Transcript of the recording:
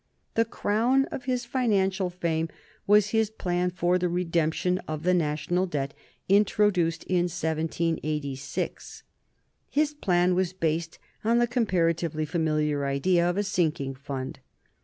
The crown of his financial fame was his plan for the redemption of the National Debt introduced in 1786. His plan was based on the comparatively familiar idea of a sinking fund.